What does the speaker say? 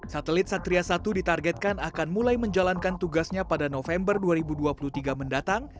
satelit satria satu ditargetkan akan mulai menjalankan tugasnya pada november dua ribu dua puluh tiga mendatang